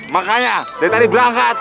makanya dari tadi berangkat